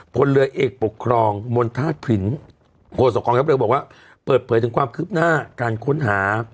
พนเรือเอกปกครองมธาตุผลินโฆษากรทรัพย์แพบบอกว่าเบิดเผยจึงความคลิบหน้าการค้นหา